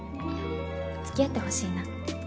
付き合ってほしいな。